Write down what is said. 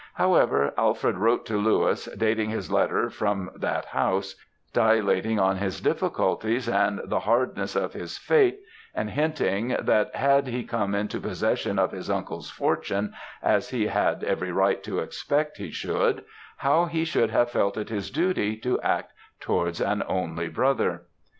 However, Alfred wrote to Louis, dating his letter from that house, dilating on his difficulties, and the hardness of his fate, and hinting that, had he come into possession of his uncle's fortune, as he had every right to expect he should, how he should have felt it his duty to act towards an only brother.